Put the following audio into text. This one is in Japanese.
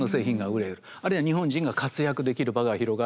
あるいは日本人が活躍できる場が広がると。